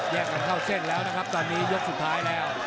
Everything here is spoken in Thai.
กันเข้าเส้นแล้วนะครับตอนนี้ยกสุดท้ายแล้ว